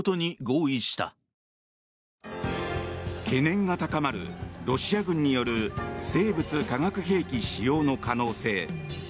懸念が高まるロシア軍による生物・化学兵器使用の可能性。